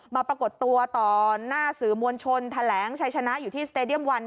ปรากฏตัวต่อหน้าสื่อมวลชนแถลงชัยชนะอยู่ที่สเตดียมวัน